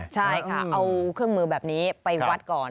ใช่ค่ะเอาเครื่องมือแบบนี้ไปวัดก่อน